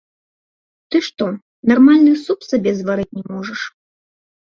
Ты што, нармальны суп сабе зварыць не можаш?